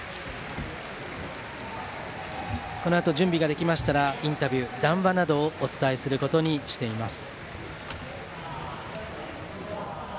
このあと、準備ができましたらインタビューや談話などをお伝えすることにしています。